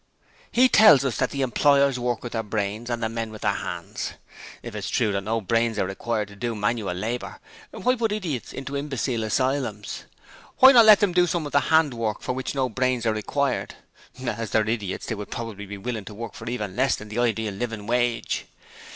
He tells us that the employers work with their brains and the men with their hands. If it is true that no brains are required to do manual labour, why put idiots into imbecile asylums? Why not let them do some of the hand work for which no brains are required? As they are idiots, they would probably be willing to work for even less than the ideal "living wage".